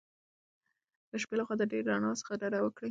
د شپې له خوا د ډېرې رڼا څخه ډډه وکړئ.